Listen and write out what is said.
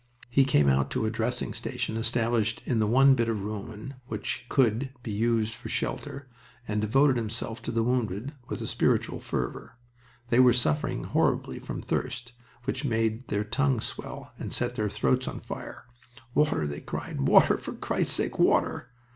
He came out to a dressing station established in the one bit of ruin which could be used for shelter, and devoted himself to the wounded with a spiritual fervor. They were suffering horribly from thirst, which made their tongues swell and set their throats on fire. "Water!" they cried. "Water! For Christ's sake, water!"